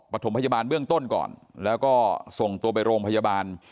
ถมพยาบาลเบื้องต้นก่อนแล้วก็ส่งตัวไปโรงพยาบาล